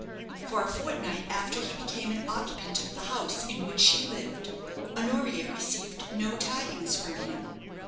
For a fortnight after he became an occupant of the house in which she lived, Honoria received no tidings from him.